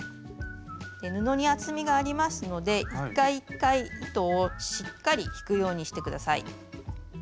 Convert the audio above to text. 布に厚みがありますので一回一回糸をしっかり引くようにして下さい。